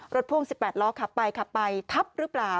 พ่วง๑๘ล้อขับไปขับไปทับหรือเปล่า